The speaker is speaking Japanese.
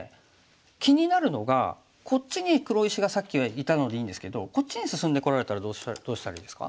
気になるのがこっちに黒石がさっきはいたのでいいんですけどこっちに進んでこられたらどうしたらいいですか？